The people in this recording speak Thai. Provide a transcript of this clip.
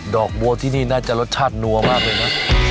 อกบัวที่นี่น่าจะรสชาตินัวมากเลยนะ